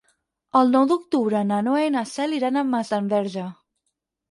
El nou d'octubre na Noa i na Cel iran a Masdenverge.